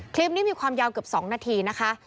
คลิปนี้มีความยาวเกือบ๒นาทีนะคะ